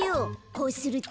こうすると。